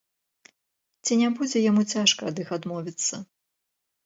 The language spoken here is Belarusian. Ці не будзе яму цяжка ад іх адмовіцца?